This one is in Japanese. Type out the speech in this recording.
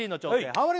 ハモリ